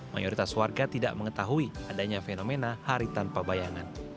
mayoritas warga tidak mengetahui adanya fenomena hari tanpa bayangan